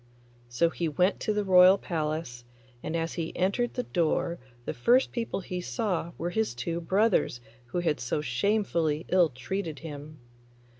So he went to the royal palace, and as he entered the door the first people he saw were his two brothers who had so shamefully ill treated him.